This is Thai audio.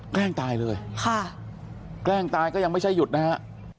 แกล้งตายเลยค่ะแกล้งตายก็ยังไม่ใช่หยุดนะฮะ